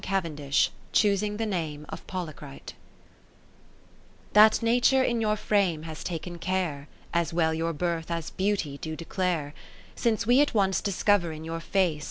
Cavendish, choosing the name of Policrite That Nature in your frame has taken care. As well your birth as beauty do declare. Since we at once discover in your face.